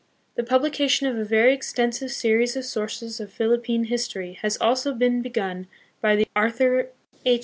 The publication of a very extensive series of sources of Philippine history has also been begun by the Arthur H.